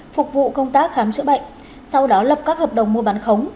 phục vụ công tác khám chữa bệnh sau đó lập các hợp đồng mua bán khống